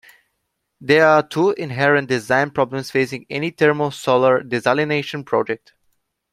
There are two inherent design problems facing any thermal solar desalination project.